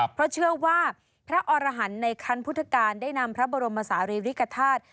เพราะเชื่อว่าพระอรหันต์ในคันพุทธกาลได้นำพระบรมศาลีริกฐาตุ